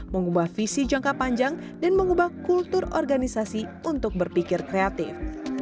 mengubah visi jangka panjang dan mengubah kultur organisasi untuk berpikir kreatif